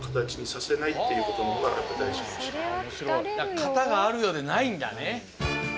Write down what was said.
型があるようでないんだね。